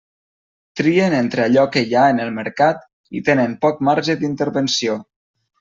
Trien entre allò que hi ha en el mercat i tenen poc marge d'intervenció.